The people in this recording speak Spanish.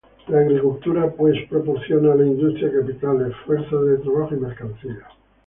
La agricultura, pues, proporciona a la industria capitales, fuerza de trabajo y mercancías.